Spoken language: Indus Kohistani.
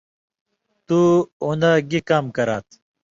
تُو اُوندہ گی کام کرات؟